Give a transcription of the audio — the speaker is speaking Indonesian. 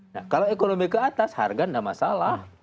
nah kalau ekonomi ke atas harga tidak masalah